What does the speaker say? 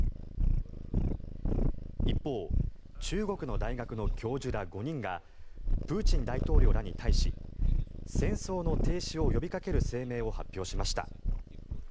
一方、中国の大学の教授ら５人がプーチン大統領らに対し戦争の停止を呼びかける声明を発表しました。